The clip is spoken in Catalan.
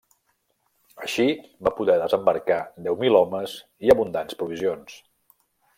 Així va poder desembarcar deu mil homes i abundants provisions.